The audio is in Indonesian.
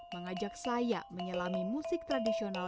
mengajak saya menyelami musik tradisional